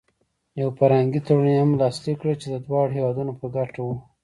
یو فرهنګي تړون یې هم لاسلیک کړ چې د دواړو هېوادونو په ګټه و.